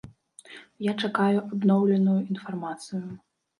Я чакаю абноўленую інфармацыю.